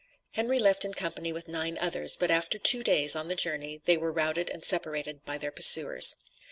Henry left in company with nine others; but after being two days on the journey they were routed and separated by their pursuers.